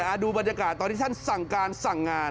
ดูบรรยากาศตอนที่ท่านสั่งการสั่งงาน